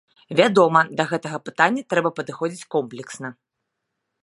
Вядома, да гэтага пытання трэба падыходзіць комплексна.